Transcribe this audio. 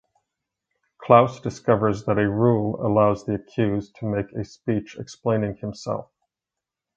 Klaus discovers that a rule allows the accused to make a speech explaining himself.